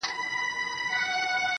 په کتو هم کړې چي اوسني ځوانان